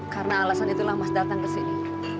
karena alasan itulah mas datang kesini